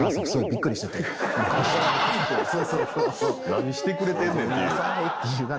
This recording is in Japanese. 何してくれてんねんっていう。